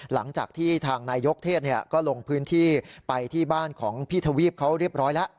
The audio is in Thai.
หลังจากที่ทางนายยกเทศก็ลงพื้นที่ไปที่บ้านของพี่ทวีปเขาเรียบร้อยแล้ว